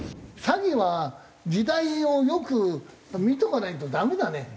詐欺は時代をよく見ておかないとダメだね。